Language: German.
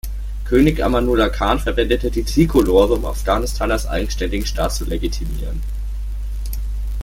König Amanullah Khan verwendete die Trikolore, um Afghanistan als eigenständigen Staat zu legitimieren.